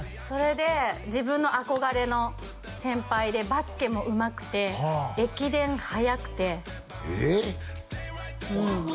それで自分の憧れの先輩でバスケもうまくて駅伝速くてえっ！？